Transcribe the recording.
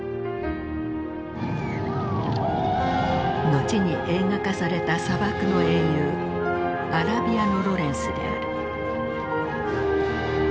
後に映画化された砂漠の英雄アラビアのロレンスである。